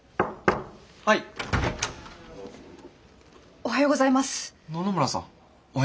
おはようございます。